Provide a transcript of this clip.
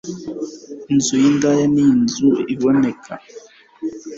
inzu y'indaya ni inzira iboneza ikuzimu